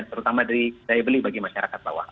terutama dari daya beli bagi masyarakat bawah